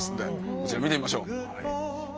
こちら見てみましょう。